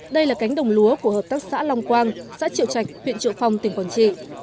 đây là cánh đồng lúa của hợp tác xã long quang xã triệu trạch huyện triệu phong tỉnh quảng trị